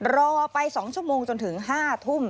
รอไป๒ชั่วโมงจนถึง๕ทุ่ม